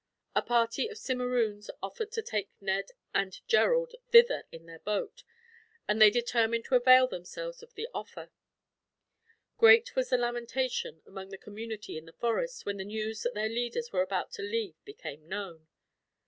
A party of Simeroons offered to take Ned and Gerald thither in their boat, and they determined to avail themselves of the offer. Great was the lamentation, among the community in the forest, when the news that their leaders were about to leave became known.